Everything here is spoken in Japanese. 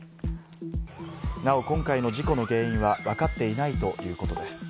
なお今回の事故の原因はわかっていないということです。